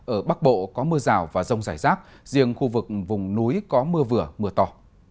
ở bắc bộ có mưa rào và rông rải rác riêng khu vực vùng núi có mưa vừa mưa to